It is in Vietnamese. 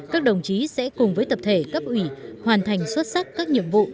các đồng chí sẽ cùng với tập thể cấp ủy hoàn thành xuất sắc các nhiệm vụ